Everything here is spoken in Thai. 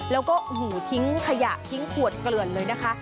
แล้วก็ทิ้งขยะทิ้งขวดเกลือนเลยนะคะ